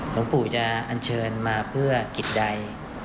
หลวงปู่จะอันเชิญมาเพื่อกิจใด